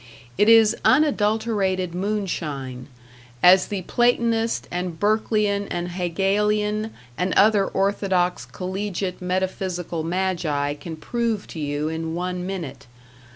It is unadulterated moonshine as the Platonist and Berkeleyan and Hegelian and other orthodox collegiate metaphysical magi can prove to you in one minute.